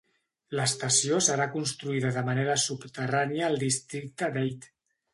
L'estació serà construïda de manera subterrània al districte d'Ate.